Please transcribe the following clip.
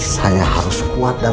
saya harus kuat dan